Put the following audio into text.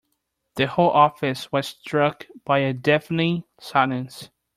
The whole office was struck by a deafening silence.